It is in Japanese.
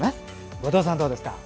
後藤さんはどうですか？